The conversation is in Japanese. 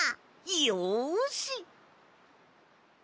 よし！